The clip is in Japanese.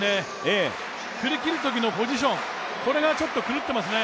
振り切る時のポジションがちょっと狂ってますね。